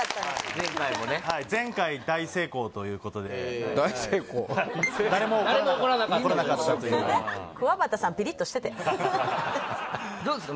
前回もねということで大成功はい誰も怒らなかったというどうですか？